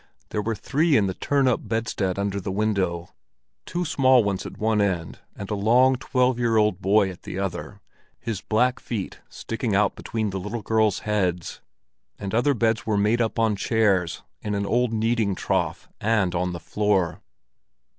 There were three in the turn up bedstead under the window—two small ones at one end, and a long, twelve year old boy at the other, his black feet sticking out between the little girls' heads; and other beds were made up on chairs, in an old kneading trough, and on the floor.